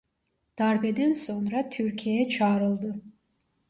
Darbeden sonra Türkiye'ye çağrıldı.